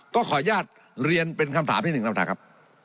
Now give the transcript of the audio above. ก็ขอยอดเรียนเป็นคำถามที่นึงนะครับ